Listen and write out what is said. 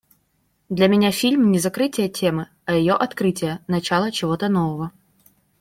Для меня фильм не закрытие темы, а ее открытие, начало чего-то нового.